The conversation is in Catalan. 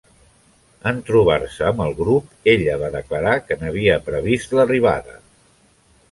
En trobar-se amb el grup, ella va declarar que n'havia previst l'arribada.